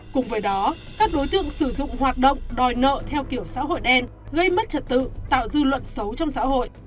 cùng với đó các đối tượng sử dụng hoạt động đòi nợ theo kiểu xã hội đen gây mất trật tự tạo dư luận xấu trong xã hội